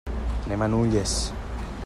Anem a Nulles.